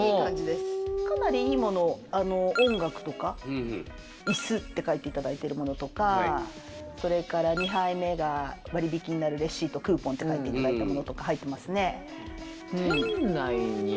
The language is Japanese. かなりいいものをあの音楽とかイスって書いていただいてるものとかそれから２杯目が割引きになるレシートクーポンって書いていただいたものとか入ってますね。